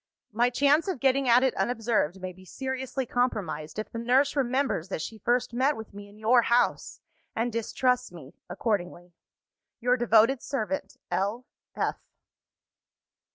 My chance of getting at it unobserved may be seriously compromised, if the nurse remembers that she first met with me in your house, and distrusts me accordingly. Your devoted servant, L.